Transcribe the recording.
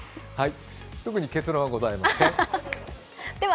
特に結論はございません。